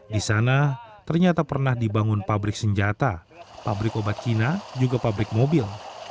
di sana ternyata pernah dibangun pabrik senjata pabrik obat kina juga pabrik mobil